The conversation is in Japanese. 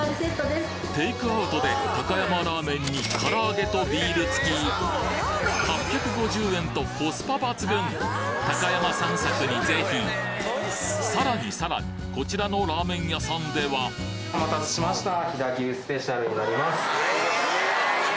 テイクアウトで高山ラーメンにから揚げとビール付き８５０円とコスパ抜群高山散策に是非さらにさらにこちらのラーメン屋さんではお待たせしました。